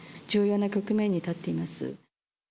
重要な局面に立っています。